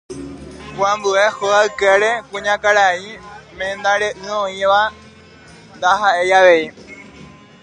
ku ambue hóga ykére kuñakarai mendare'ỹ oĩva ndaha'éi avei